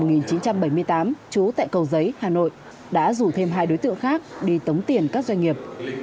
trú tại cầu giấy hà nội đã rủ thêm hai đối tượng khác đi tống tiền các doanh nghiệp